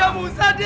bang fedor ritik